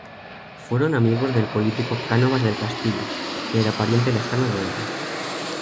Fueron amigos del político Cánovas del Castillo, que era pariente lejano de ella.